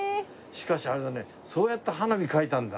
しかしあれだねそうやって花火描いたんだ。